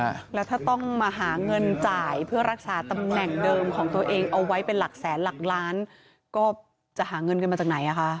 แล้วถ้าต้องมาหาเงินจ่ายเพื่อรักษาตำแหน่งเดิมของตัวเองเอาไว้เป็นหลักแสนหลักล้านก็จะหาเงินกันมาจากไหนอ่ะคะ